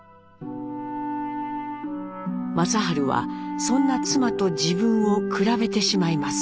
正治はそんな妻と自分を比べてしまいます。